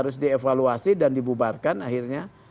harus dievaluasi dan dibubarkan akhirnya